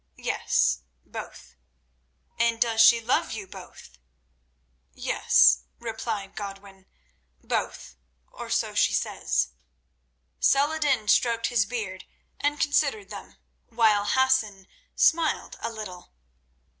"Yes, both." "And does she love you both?" "Yes," replied Godwin, "both, or so she says." Saladin stroked his beard and considered them, while Hassan smiled a little.